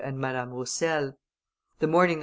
and Madame Roussel. The morning that M.